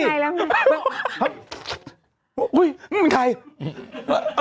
มันเป็นใคร